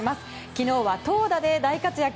昨日は投打で大活躍